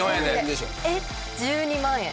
えっ１２万円。